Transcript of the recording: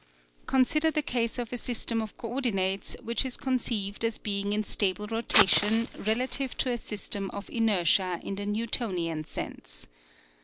Consider the case of a system of coordinates which is conceived as being in stable rotation relative to a system of inertia in the Newtonian sense.